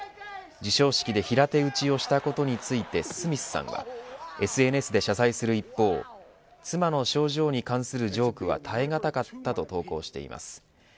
授賞式で平手打ちをしたことについてスミスさんはＳＮＳで謝罪する一方妻の症状に関するジョークは耐えがたかったと投稿しています。